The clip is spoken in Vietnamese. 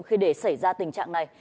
khi để xảy ra tình trạng này